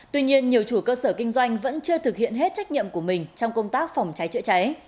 tuy nhiên nhiều chủ cơ sở kinh doanh vẫn chưa thực hiện hết trách nhiệm của mình trong công tác phòng cháy chữa cháy